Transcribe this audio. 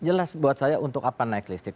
jelas buat saya untuk apa naik listrik